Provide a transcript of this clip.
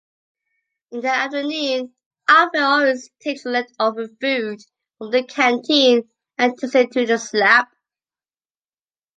In the afternoon Alfred always takes the leftover food from the canteen and takes it to the slab.